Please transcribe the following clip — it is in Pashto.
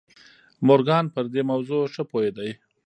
مورګان پر دې موضوع ښه پوهېده.